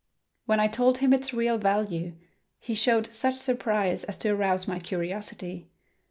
When I told him its real value, he showed such surprise as to arouse my curiosity.